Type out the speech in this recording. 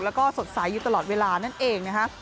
แล้วก็สดใสอยู่ตลอดเวลานั่นเองนะฮะ